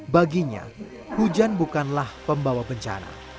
baginya hujan bukanlah pembawa bencana